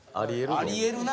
あり得るな。